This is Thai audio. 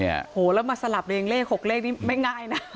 โอ้โหแล้วมาสลับเรียงเลข๖เลขนี้ไม่ง่ายนะ